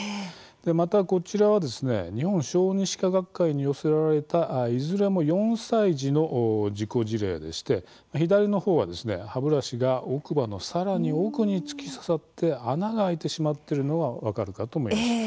また、こちらは日本小児歯科学会に寄せられたいずれも４歳児の事故事例でして左のほうは歯ブラシが奥歯のさらに奥に突き刺さって穴があいてしまっているのが分かるかと思います。